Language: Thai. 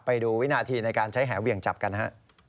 ไปดูวินาทีในการใช้แห่เหวี่ยงจับกันฮะ